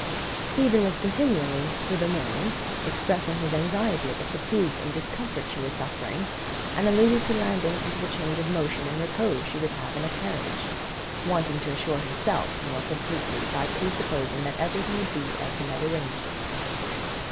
Stephen was continually, through the morning, expressing his anxiety at the fatigue and discomfort she was suffering, and alluded to landing and to the change of motion and repose she would have in a carriage, wanting to assure himself more completely by presupposing that everything would be as he had arranged it.